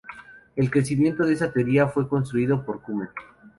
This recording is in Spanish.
El cimiento de esta teoría fue construido por Kummer.